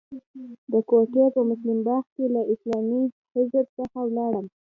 د کوټې په مسلم باغ کې له اسلامي حزب څخه ولاړم.